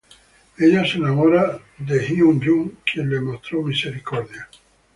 Ella se enamora de Hyun-jun, quien le mostró misericordia.